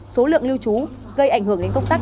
số lượng lưu trú gây ảnh hưởng đến công tác